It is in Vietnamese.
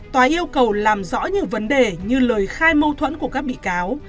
tòa yêu cầu làm rõ những vấn đề như lời khai mâu thuẫn của các bị cáo